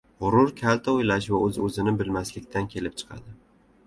G‘urur kalta o‘ylash va o‘z-o‘zini bilmaslikdan kelib chiqadi.